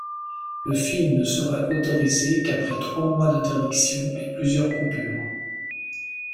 Le film ne sera autorisé qu'après trois mois d'interdiction et plusieurs coupures.